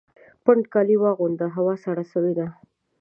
پنډ کالي واغونده ! هوا سړه سوې ده